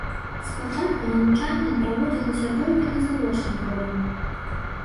Спачатку навучанне праводзілася толькі на завочнай форме.